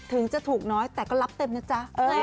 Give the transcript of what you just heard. ถึงจะถูกน้อยแต่ก็รับเต็มนะจ๊ะ